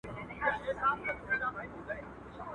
خره که ښکرونه درلوداى، د غويو نسونه بې څيرلي واى.